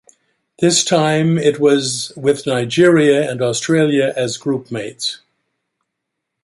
This time it was with Nigeria and Australia as group mates.